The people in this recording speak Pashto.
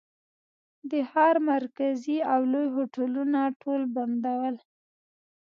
د ښار مرکزي او لوی هوټلونه ټول بند ول.